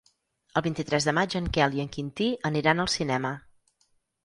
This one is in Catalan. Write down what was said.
El vint-i-tres de maig en Quel i en Quintí aniran al cinema.